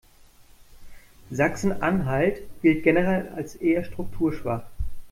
Sachsen-Anhalt gilt generell als eher strukturschwach.